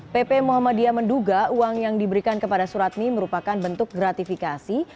pp muhammadiyah menduga uang yang diberikan kepada suratni merupakan bentuk gratifikasi